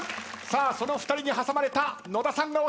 さあその２人に挟まれた野田さんが押した。